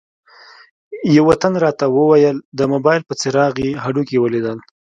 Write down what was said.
یوه تن راته وویل د موبایل په څراغ یې هډوکي ولیدل.